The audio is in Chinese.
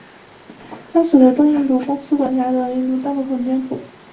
当时的东印度公司管辖着印度的大部分疆土。